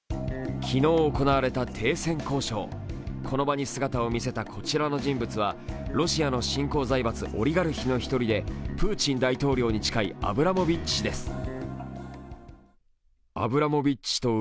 この場に姿を現したこちらの人物はロシアの新興財閥オリガルヒの一人でプーチン大統領に近いアブラモビッチ氏です。